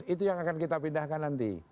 itu yang akan kita pindahkan nanti